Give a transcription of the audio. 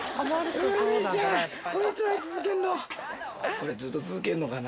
これずっと続けんのかな？